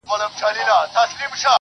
خالونه دي د ستورو له کتاره راوتلي_